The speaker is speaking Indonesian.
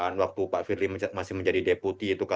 lalu juga waktu pak firli masih menjadi deputi saat itu